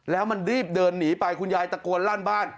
แล้วมันรีบเดินหนีไปคุณยายตะโกนลั่นบ้าน